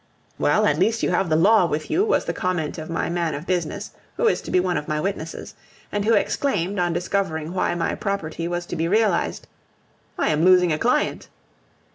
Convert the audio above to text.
"Well, at least you have the law with you," was the comment of my man of business, who is to be one of my witnesses, and who exclaimed, on discovering why my property was to be realized, "I am losing a client!"